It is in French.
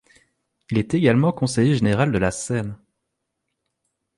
Il est également conseiller général de la Seine.